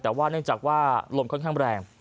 แต่ว่าเนื่องจากว่าลมค่อนข้างแรง